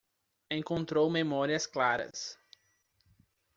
Encontrou memórias claras